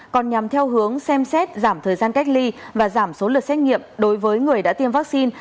còn nhằm theo hướng xem xét giảm thời gian cách ly và giảm số lượt xét nghiệm đối với người đã tiêm vaccine